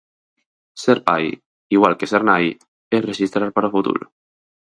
Ser pai, igual que ser nai, é rexistrar para o futuro.